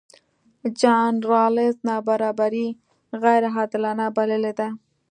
جان رالز نابرابري غیرعادلانه بللې ده.